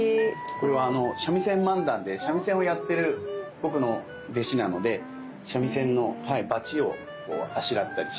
これは三味線漫談で三味線をやってる僕の弟子なので三味線のバチをあしらったり。